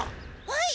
はい！